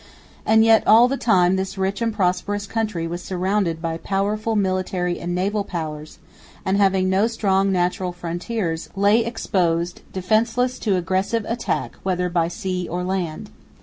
And yet all the time this rich and prosperous country was surrounded by powerful military and naval powers, and, having no strong natural frontiers, lay exposed defenceless to aggressive attack whether by sea or land.